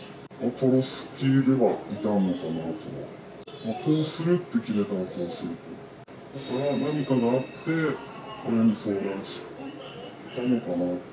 こうするって決めたら、こうするって決めたらこうするし、だから何かがあって、親に相談したのかな。